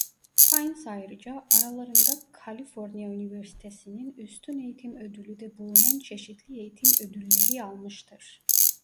Pines ayrıca aralarında Kaliforniya Üniversitesi'nin Üstün Eğitim Ödülü de bulunan çeşitli eğitim ödülleri almıştır.